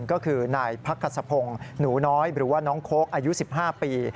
ก็คือนายพักกษพงศ์หนูน้อยหรือว่าน้องโค้กอายุ๑๕ปี